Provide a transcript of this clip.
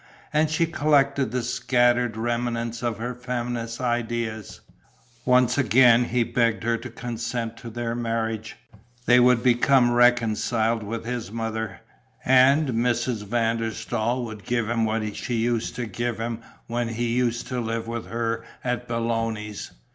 And she collected the scattered remnants of her feminist ideas. Once again he begged her to consent to their marriage; they would become reconciled with his mother; and Mrs. van der Staal would give him what she used to give him when he used to live with her at Belloni's.